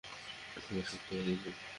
সবাই শক্ত হয়ে বসুন।